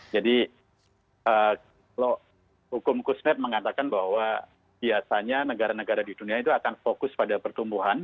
jadi hukum kusnet mengatakan bahwa biasanya negara negara di dunia itu akan fokus pada pertumbuhan